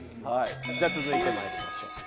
じゃあ続いてまいりましょう。